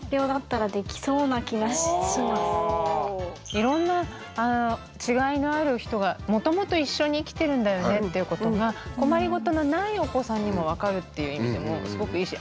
いろんな違いのある人がもともと一緒に生きてるんだよねっていうことが困りごとのないお子さんにも分かるっていう意味でもすごくいいし。